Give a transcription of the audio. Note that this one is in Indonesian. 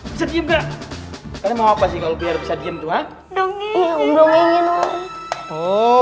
bisa diem gak kalian mau apa sih kalau biar bisa diem tuh ah dongengin om